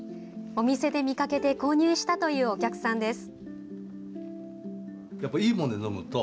お店で見かけて購入したというお客さんです。